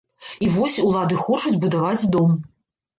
І вось улады хочуць будаваць дом.